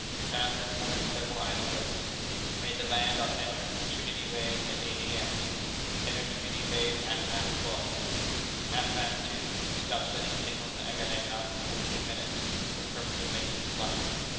Passed this morning several icebergs. Made the land off entrance to Trinity Bay at eight A.M. Entered Trinity Bay at half past twelve. At half past two, we stopped sending signals to Agamemnon for fourteen minutes, for the purpose of making splice.